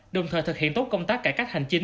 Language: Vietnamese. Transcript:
đồng thời thực hiện tốt công tác cải cách hành chính